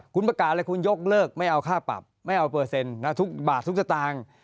คุณประกาศเลยคุณยกเลิกไม่เอาค่าปรับไม่เอาเปอร์เซ็นต์ทุกบาททุกสตางค์